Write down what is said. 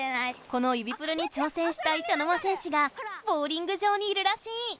この指プルに挑戦したい茶の間戦士がボウリング場にいるらしい。